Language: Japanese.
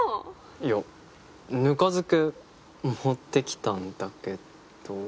いやぬか漬け持ってきたんだけど。